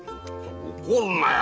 怒るなよ